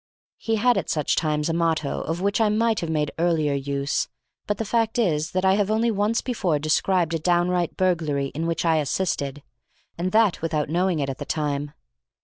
He had at such times a motto of which I might have made earlier use, but the fact is that I have only once before described a downright burglary in which I assisted, and that without knowing it at the time.